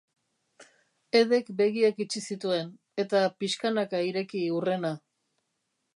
Edek begiak itxi zituen, eta pixkana ireki hurrena.